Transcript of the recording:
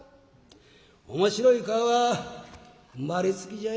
「面白い顔は生まれつきじゃい」。